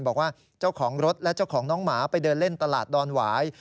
บอกว่าเจ้าของรถและเจ้าของน้องหมาไปเดินเล่นตลาดดอนหวาย